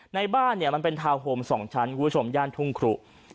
ในบ้านเนี่ยมันเป็นทาวน์โฮม๒ชั้นคุณผู้ชมย่านทุ่งครุ